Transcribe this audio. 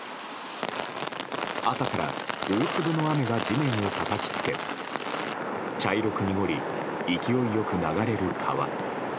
朝から大粒の雨が地面をたたきつけ茶色く濁り、勢いよく流れる川。